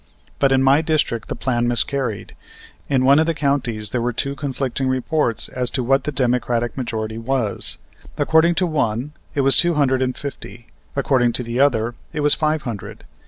But in my district the plan miscarried. In one of the counties there were two conflicting reports as to what the Democratic majority was; according to one, it was two hundred and fifty, according to the other, it was five hundred.